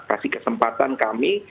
kasih kesempatan kami